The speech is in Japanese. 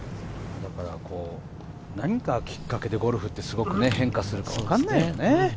何がきっかけでゴルフってすごく変化するかわかんないよね。